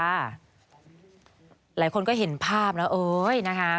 หลายคนก็เห็นภาพแล้วเอ้ยนะคะ